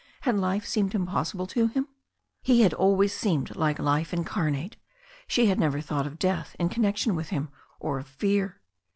Had life seemed impos sible to him? He had always seemed like life incarnate. She had never thought of death in connection with him, or of fear.